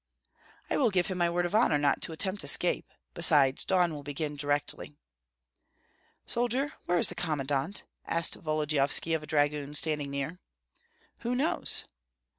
"I will give him my word of honor not to attempt escape; besides, dawn will begin directly." "Soldier, where is the commandant?" asked Volodyovski of a dragoon standing near. "Who knows?"